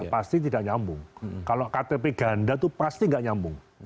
pasti tidak nyambung kalau ktp ganda itu pasti nggak nyambung